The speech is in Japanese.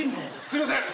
すいません。